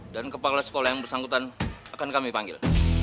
dan kepala sekolah yang bersangkutan akan kami panggil